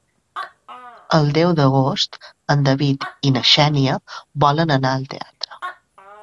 El deu d'agost en David i na Xènia volen anar al teatre.